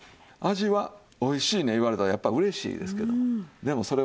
味は「おいしいね」言われたらやっぱり嬉しいですけども。